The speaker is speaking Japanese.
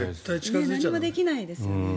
何もできないですよね。